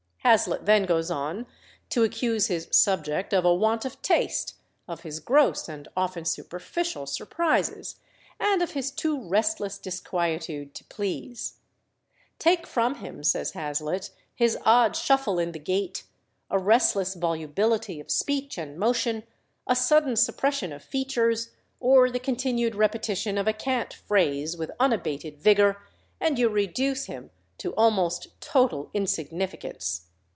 Hazlitt then goes on to accuse his "subject" of a want of taste, of his gross and often superficial surprises, and of his too restless disquietude to please. "Take from him," says Hazlitt, "his odd shuffle in the gait, a restless volubility of speech and motion, a sudden suppression of features, or the continued repetition of a cant phrase with unabated vigour, and you reduce him to almost total insignificance."